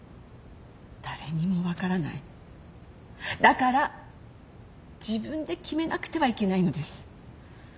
だから自分で決めなくてはいけないのです。